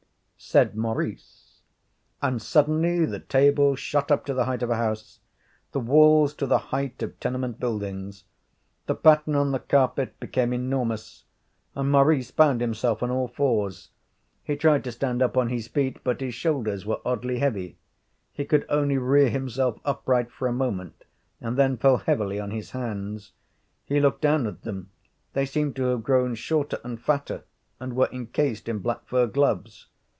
',' said Maurice; and suddenly the table shot up to the height of a house, the walls to the height of tenement buildings, the pattern on the carpet became enormous, and Maurice found himself on all fours. He tried to stand up on his feet, but his shoulders were oddly heavy. He could only rear himself upright for a moment, and then fell heavily on his hands. He looked down at them; they seemed to have grown shorter and fatter, and were encased in black fur gloves.